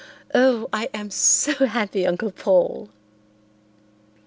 Oh, I am so happy, Uncle Paul!"